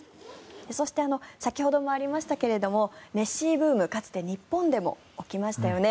そして、先ほどもありましたがネッシーブームかつて日本でも起きましたよね。